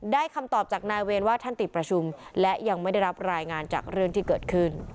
คำตอบจากนายเวรว่าท่านติดประชุมและยังไม่ได้รับรายงานจากเรื่องที่เกิดขึ้น